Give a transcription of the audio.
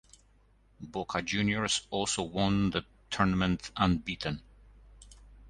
Boca Juniors also won the tournament unbeaten.